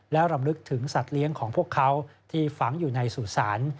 และรำลึกถึงสัตว์เลี้ยงของพวกเขาที่ฝังอยู่ในสู่ศาล